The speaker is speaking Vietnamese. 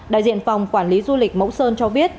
đại diện phòng quản lý du lịch mẫu sơn cho biết